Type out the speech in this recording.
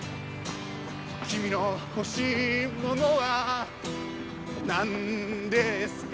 「君の欲しいものは何ですか」